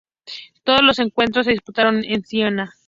Todos los encuentros se disputaron en Siena.